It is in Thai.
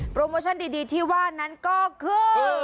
โมชั่นดีที่ว่านั้นก็คือ